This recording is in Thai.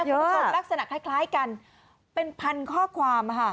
ส่งลักษณะคล้ายกันเป็นพันข้อความค่ะ